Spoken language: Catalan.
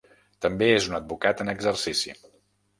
També és un advocat en exercici.